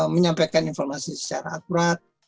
menyampaikan informasi secara akurat